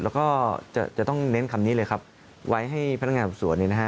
แล้วก็จะต้องเน้นคำนี้เลยครับไว้ให้พนักงานสอบสวนเนี่ยนะฮะ